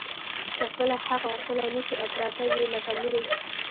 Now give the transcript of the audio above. چي خپل حق غوښتلای نه سي او پراته وي لکه مړي